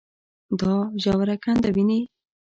دا ژوره کنده وينې.